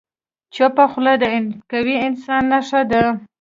چپه خوله، د قوي انسان نښه ده.